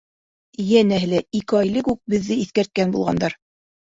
Йәнәһе лә, ике ай элек үк беҙҙе иҫкәрткән булғандар.